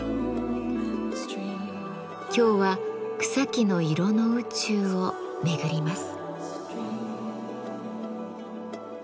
今日は「草木の色の宇宙」を巡ります。